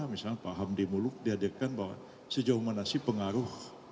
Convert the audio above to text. misalnya pak hamdi muluk dihadirkan bahwa sejauh mana sih pengaruh